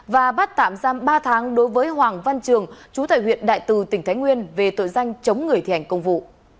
và bắt tạm giam ba tháng đối với hoàng văn trường chú tại huyện đại từ tỉnh thái nguyên về tội danh chống người thi hành công vụ